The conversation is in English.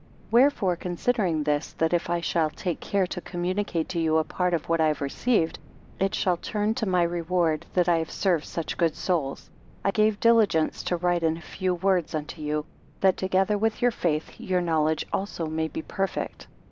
6 Wherefore considering this, that if I shall take care to communicate to you a part of what I have received, it shall turn to my reward, that I have served such good souls. I gave diligence to write in a few words unto you; that together with your faith, your knowledge also may be perfect.